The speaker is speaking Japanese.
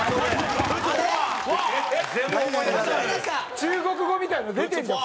中国語みたいなの出てるじゃん。